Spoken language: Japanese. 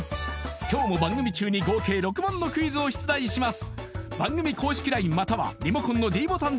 今日も番組中に合計６問のクイズを出題します